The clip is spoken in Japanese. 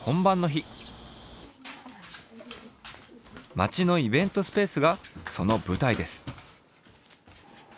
町のイベントスペースがそのぶたいです。